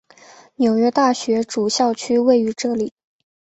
纽约大学主校区位于这里。